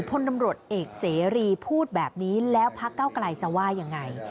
พลตำรวจเอกเสรีพูดแบบนี้แล้วพักเก้าไกลจะว่ายังไง